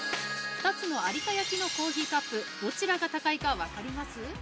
２つの有田焼のコーヒーカップ、どちらが高いか分かります？